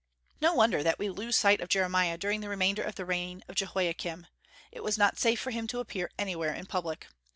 No wonder that we lose sight of Jeremiah during the remainder of the reign of Jehoiakim; it was not safe for him to appear anywhere in public.